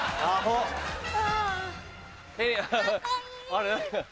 ・あれ。